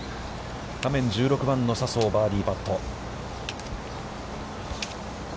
画面１６番の笹生バーディーパット。